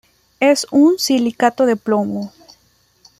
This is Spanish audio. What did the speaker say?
Es un silicato de plomo.